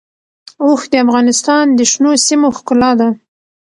اوښ د افغانستان د شنو سیمو ښکلا ده.